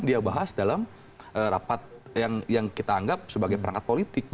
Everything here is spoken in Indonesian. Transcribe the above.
membahas dalam rapat yang kita anggap sebagai perangkat politik